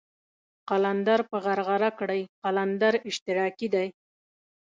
قلندر په غرغره کړئ قلندر اشتراکي دی.